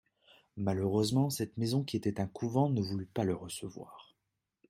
Malheureusement, cette maison qui était un couvent ne voulut pas le recevoir.